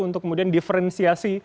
untuk kemudian diferensiikan